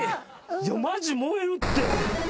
マジ燃えるって。